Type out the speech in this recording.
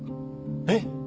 えっ